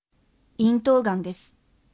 咽頭がんです。